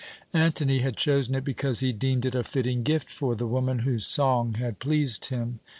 Antony had chosen it because he deemed it a fitting gift for the woman whose song had pleased him.